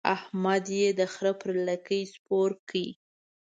احمد يې د خره پر لکۍ سپور کړ.